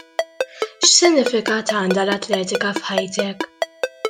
X'sinifikat għandha l-atletika f'ħajtek?